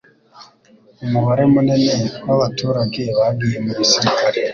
Umubare munini wabaturage bagiye mu gisirikare.